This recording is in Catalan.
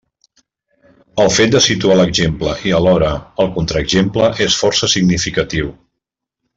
El fet de situar l'exemple i alhora el contraexemple és força significatiu.